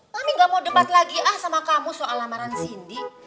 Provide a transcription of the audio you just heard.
mami nggak mau debat lagi ah sama kamu soal lamaran sindi